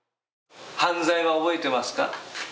犯罪は覚えていますか？